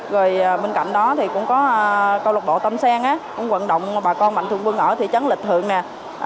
rồi bên cạnh đó thì cũng có câu lạc bộ tâm sen cũng vận động bà con mạnh thường quân ở thị trấn lịch thượng nè